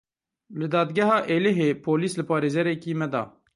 Li Dadgeha Êlihê polîs li parêzerekî me da.